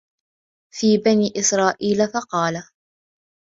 فِي بَنِي إسْرَائِيلَ فَقَالَ